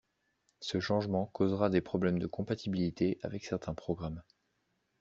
Ce changement causera des problèmes de compatibilité avec certains programmes.